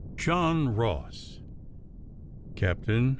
JOHN ROSS, Captain, R.